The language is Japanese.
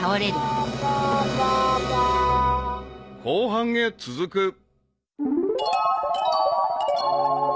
［後半へ続く］